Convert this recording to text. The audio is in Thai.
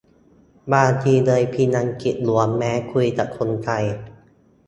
บางทีเลยพิมพ์อังกฤษล้วนแม้คุยกับคนไทย